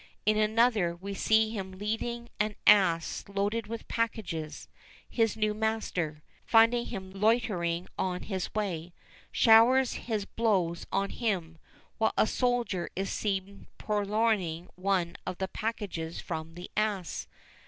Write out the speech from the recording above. In another we see him leading an ass loaded with packages; his new master, finding him loitering on his way, showers his blows on him, while a soldier is seen purloining one of the packages from the ass.